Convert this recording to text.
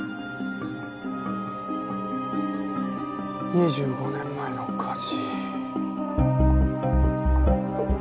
２５年前の火事。